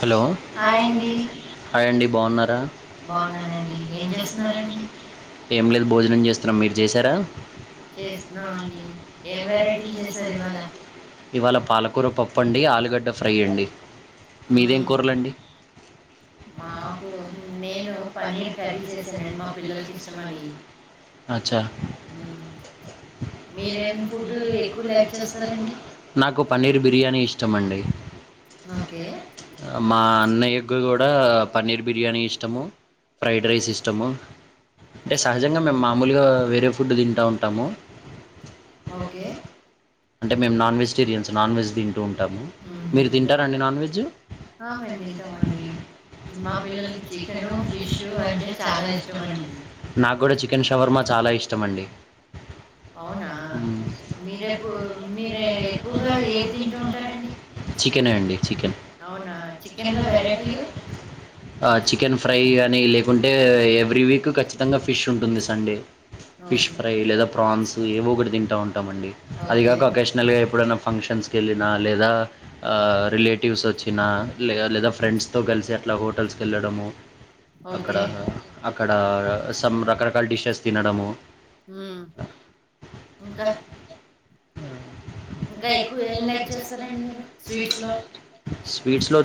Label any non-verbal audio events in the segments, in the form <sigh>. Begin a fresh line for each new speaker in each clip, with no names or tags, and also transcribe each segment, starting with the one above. hello hi అండి hi అండి బాగున్నారా ఏం లేదు భోజనం చేస్తున్నాం మీరు చేశారా చేస్తున్నామండి ఏం వెరైటీలు చేసారు ఇవాళ ఇవాళ పాలకూర పప్పండి ఆలుగడ్డ ఫ్రైయండి మీదేం కూరలండి
మాకు నేను పన్నీర్ కర్రీ చేశానండి మా పిల్లలకి ఇష్టమని
అచా మీరేమి ఫుడ్ ఎక్కువ లైక్ చేస్తారండి
ఆ
మా అన్న గు పన్నీర్ బిర్యానీ ఇష్టము ఫ్రైడ్ రైస్ ఇష్టము అంటే సహజంగా మేము మామూలుగా వేరే ఫుడ్ తింటా ఉంటాము అంటే మేము నాన్ వెజిటరియన్ నాన్ వెజ్ తింటూ ఉంటాము మీరు తింటరాండి నాన్ వెజ్ మా పిల్లలకి చికెను, ఫిష్ అంటే చాలా ఇష్టమండి నాకు కూడా చికెన్షవర్ చాలా ఇష్టం అండి మీరు ఎక్కువగా ఏది తింటుంటారండి చికెన్ ఏ అండి చికెన్ ఆ చికెన్ ఫ్రై గాని లేకుంటే ఎవ్రీ వీక్ ఖచ్చితంగా ఫిష్ ఉంటుంది సండే ఫిష్ ఫ్రై లేదా ప్రాన్స్ ఏవో ఒకటి తింటా ఉంటామండి అదిగాక ఒకేషనల్ గా ఎప్పుడైనా ఫంక్షన్స్ వెళ్ళినా లేదా రిలేటివ్స్ వచ్చినా లే లేదా ఫ్రెండ్స్తో కలిసి అట్లా హోటల్స్కి వెళ్ళడము అక్కడ అక్కడ సం రకరకాల డిషెస్ తినడము
ఉమ్ ఇంకా
ఇంకా ఎక్కువ ఏం లైక్ చేస్తారండి మీరు స్వీట్స్ లో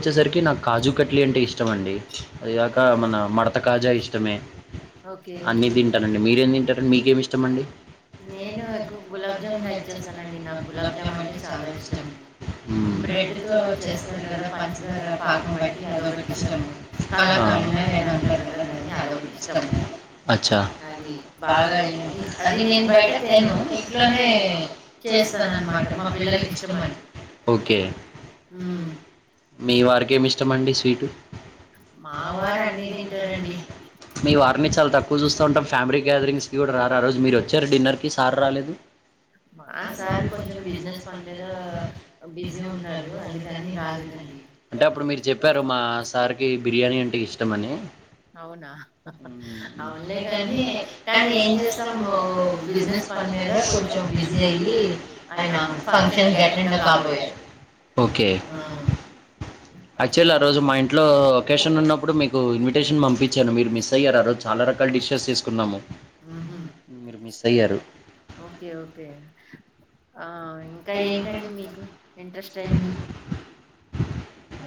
చకట్లీ అంటే ఇష్టమండి అదికాక మన మడత కాజా ఇష్టమే అన్ని తింటానండి మీరేం తింటారండి మీకేమి ఇష్టమండి
నేను ఎక్కువ గులాబ్ జామ్ లూజ్ చేస్తానండి నాకు గులాబ్ జామ్ అంటే చాలా ఇష్టము బ్రెడ్ తో చేస్తారు కదా పంచదార పాకం బట్టి అదొకటి ఇష్టము కలకం కాండ ఏదో అంటారు కదా దాన్ని అదొకటి ఇష్టము అది బాగా అది నేను బయట తేను ఇంట్లోనే చేస్త
ఇస్తానన్మాట మా పిల్లల ఇష్టమని ఒకే మీ వారికి ఏమి ఇష్టమండి స్వీటు మీ వారు అన్ని తింటారండి మీ వారిని చాలా తక్కువ చూస్త ఉంటాం ఫ్యామిలీ గెదరింగ్స్ గూ రారు ఆ రోజు మీరు వచ్చారు డిన్నర్కి సార్ రాలేదు
మా సారు కొంచెం బిజినెస్ పని మీద బిజీ ఉన్నారు అందుకని రాలేదండి
చెప్పారు మా సార్కి బిర్యానీ అంటే ఇష్టంమని అవులే కాని కానీ ఏం చేస్తాం బిజినెస్ పని మీద కొంచెం బిజీ అయి ఆయన ఫంక్షన్‌కి ఎటెండ్ కాపోయారు ఒకే యాక్చువల్లీ ఆ రోజు మా ఇంట్లో ఒకేషన్ ఉన్నప్పుడు మీకు ఇన్విటేషన్ పంపించాను మీరు మిస్ అయ్యారు చాలా రకాల డిషెస్ చేసుకున్నాము
ఓకే ఓకే ఆ ఇంకా ఏంటండి మీకు ఇంట్రెస్ట్ అయినవి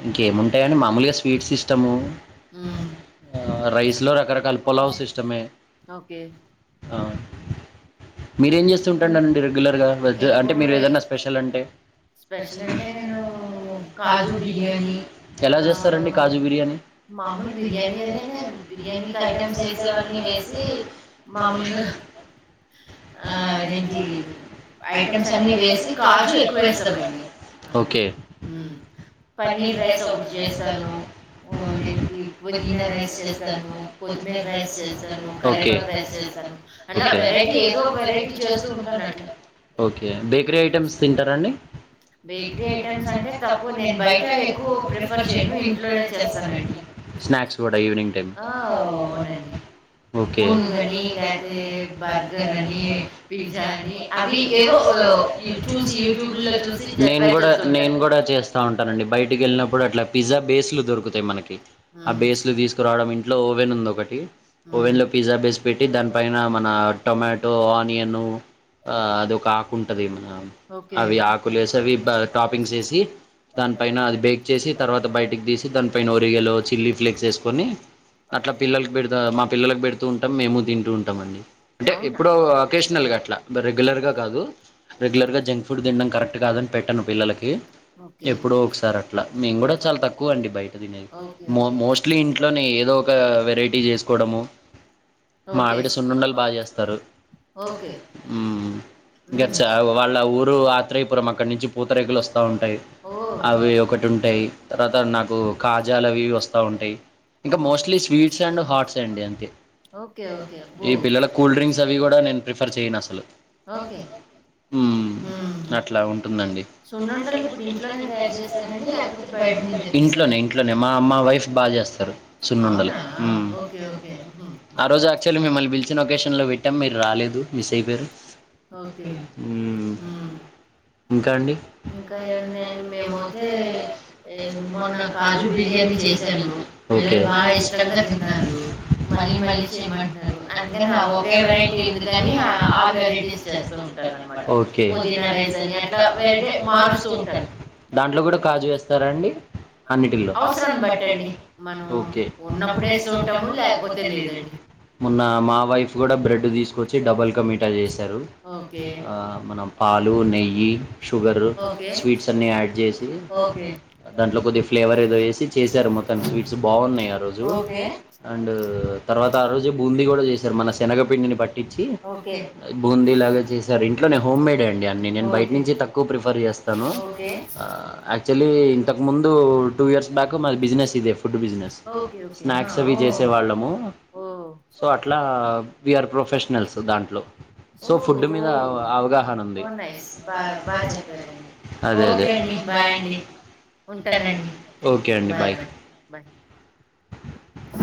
ఇంకేముంటాయండి మామూలుగా స్వీట్స్ ఇష్టము రైస్ లో రకరకలు పలావస్ ఇష్టమే మీరేం చేస్తుటాను అండి రెగ్యులర్గా వెజ్ అంటే మీరు ఏదనా స్పెషల్ అంటే స్పెషల్ అంటే నేను కాజు బిర్యానీ ఎలా చేస్తారండి కాజు బిర్యానీ మామూలు బిర్యానీ లాగే బిర్యానీకి ఐటమ్స్ వేసేవన్నీ వేసి
మామూలుగా ఆ అదేంటి ఐటమ్ స్ అన్ని వేసి కాజు ఎక్కువ వేస్తామండి అది మ్ పన్నీర్ రైస్ ఒకటి చేస్తాను ఓ అదేంటి పుదీనా రైస్ చేస్తాను కొత్తిమీర రైస్ చేస్తాను కరేపాక రైస్ చేస్ సాను అల వెరైటీ
ఏదో వైరైటి చేస్తు ఉంటనండి ఓకే బేకరీ ఐటమ్స్ తింటారాండి బేకరీ ఐటెమ్స్ అంటే తక్కువ నేను బయట ఎక్కువ ప్రిఫర్ చెయను ఇంట్లోనే చేస్తానండి స్నాక్స్ కూడా ఈవినింగ్ టైమ్ ఒకే పునుగు అని లేతే బర్గర్ అని పిజ్జా అని అవి ఏవో చూసి యుట్యూబ్లో చూసి నేను కూడా నేను కూడా చేస్తా ఉంటానండి బయటికి వెళ్ళిన ఇప్పుడు అట్లా పిజ్జా బేస్లు దొరుకుతాయి మనకి ఆ బేస్లు తీసుకురావడం ఇంట్లో ఓవెన్ ఉంది ఒకటి ఓవెన్ లో పిజ్జా బేస్ పెట్టి దాని పైన మన టొమాటో ఆనియన్ ఆ అదొ ఒక ఆకుంటది మన అవి ఆకులే ఎసి అవి టాపింగ్స్ ఎసి దానిపైన అది బేక్ చేసి తర్వాత బయటికి తీసి దానిపైన ఒరిగలో చిల్లీ ఫ్లేక్స్ వేసుకొని అట్లా పిల్లలకి బెడ్ మా పిల్లలకు బెసడుతూ ఉంటాం మేము తింటూ ఉంటాం అండి అంటే ఎప్పుడో ఒకేషనల్ గా అట్లా రెగ్యులర్గ కాదు రెగ్యులర్గా జంక్ ఫుడ్ దినడం కరెక్ట్ కాదని పెట్టను పిల్లలకి ఎప్పుడో ఒకసారి అట్లా మేము కూడా చాలా తక్కువ అండి బయట తినేది మోస్ట్లీ ఇంట్లోనే ఏదో ఒక వెరైటీ చేసుకోవడము మావిడ సున్నుండలు బా చేస్తారు ఒకే మ్ గచ్చ వాళ్ళ ఊరు ఆత్రేయపురం అక్కడి నుంచి పూతరేగకులు వస్తా ఉంటాయి ఓ అవి ఒకటి ఉంటాయి తర్వాత నాకు కాజాలు అవి వస్తా ఉంటాయి ఇంకా మోస్ట్లీ స్వీట్స్ అండ్ హార్ట్సే అండి అంతే ఈ పిల్లల కూల్ డ్రింక్స్ అవి కూడా నేను ప్రిఫర్ చేయను అసలు ఓకే ఓకే మ్ అట్లా ఉంటుందండి సునుండలు ఇంట్లోనే తాయారు చేస్తార అండి లేకపోతే బయ ఇంట్లోనే ఇంట్లోనే మా మా వైఫ్ బాగా చేస్తారు సున్నుండలు ఆ రోజు యాక్చువల్లీ మిమ్మల్ని పిలిచిన లొకేషన్ లో పెట్టాం మీరు రాలేదు మిస్ అయిపోయరు ఓకే ఉమ్ ఇంకా అండి <unintelligible> మొన్న కాజు బియానీ ఛైసాను బా ఇష్టంగా తిన్నా మళ్ళ మళ్ళీ చేయమంటు అ ఒకే వెరైటీ ఉంది కాని ఆల్ వెరైటీస్ స్త ఉంటారు అన్నమాట ఓకే ముదీనా రైస్ అని అట్లా వెరితే మారుస్తూంటాది దాంట్లో కూడా కాజు వేస్తారాండి అన్నిటి అవసరాన్ని ఓకే బట్టండి ఉన్నప్పుడే లేకపోతే లేదండి మొన్న మా వైఫ్ కూడా బ్రెడ్ తీసుకొచ్చి డబుల్ కా మీటా చేశారు ఓకే ఆ పాలు నెయ్యి షుగర్ స్వీట్స్ అన్ని యాడ్ చేసి దాంట్లో కొద్దిగా ఫ్లేవర్ ఏదో వేసి చేశారు మ స్వీట్స్ బాగున్నాయి ఆ రోజు అండ్ తర్వాత ఆ రోజు బూంద కూడా చేారు మన శనగ పిండిని పట్టించి ఓకే బూంది లాగా చేసారు ఇంట్లో నే హోమ్ మేడ్ అండి అన్ని నేను బయట నుంచి క్ ప్రిఫర్ చేస్తాను ఓకే యాక్చువల్లీ ఇంతకు ముందు టూ ఇయర్స్ బ్యాక్ మా బిజినెస్ ఇదే ఫుడ్ బిజినెస్ ఓకే స్నాక్స్ అవి చేసే వాళ్ళము సో అట్లా విఆర్ ప్రొఫెషనల్స్ దాంట్లో సో ఫుడ్ మీద అవగాహన ఉంది బాగా చెప్పారు అద అదేండి బాయ్ అండి
ఉంటానండి బాయ్ బాయ్ బాయ్ ఆ